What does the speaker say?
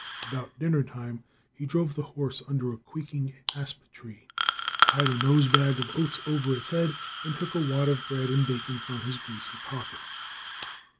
About dinner time he drove the horse under a quaking asp tree, tied a nose bag of oats over its head and took a wad of bread and bacon from his greasy pocket.